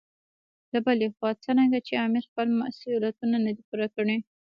له بلې خوا څرنګه چې امیر خپل مسولیتونه نه دي پوره کړي.